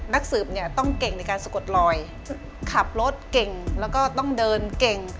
นักสืบเนี่ยต้องเก่งในการสะกดลอยขับรถเก่งแล้วก็ต้องเดินเก่ง